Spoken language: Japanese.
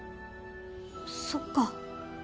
そっか。